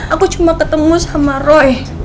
aku cuma ketemu sama roy